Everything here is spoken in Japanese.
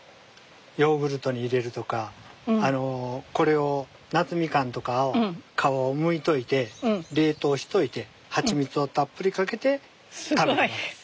ヨーグルトに入れるとかあのこれを夏ミカンとかを皮をむいといて冷凍しといてハチミツをたっぷりかけて食べてます。